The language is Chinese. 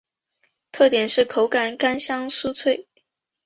特点是口感干香酥脆。